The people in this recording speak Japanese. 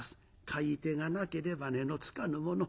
買い手がなければ値のつかぬもの。